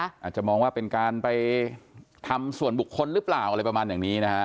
อาจจะมองว่าเป็นการไปทำส่วนบุคคลหรือเปล่าอะไรประมาณอย่างนี้นะฮะ